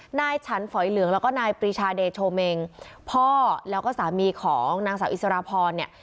นายฉันฝอยเหลืองแล้วก็นายปรีชาเดโชเมงพ่อแล้วก็สามีของนางสาวอิสรพรเนี่ย